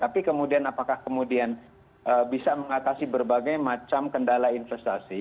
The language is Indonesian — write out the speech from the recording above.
tapi kemudian apakah kemudian bisa mengatasi berbagai macam kendala investasi